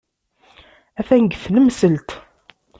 Atan deg tnemselt.